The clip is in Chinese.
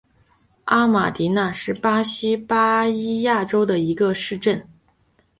阿马迪纳是巴西巴伊亚州的一个市镇。